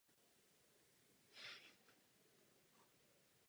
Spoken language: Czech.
Ale v žádném případě to neznamená konec procesu.